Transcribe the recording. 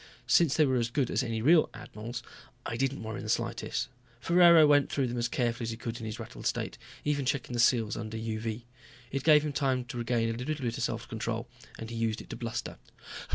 Since they were as good as any real admiral's I didn't worry in the slightest. Ferraro went through them as carefully as he could in his rattled state, even checking the seals under UV. It gave him time to regain a bit of control and he used it to bluster.